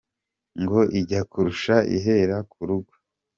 Ngo ijya kurisha ihera ku rugo.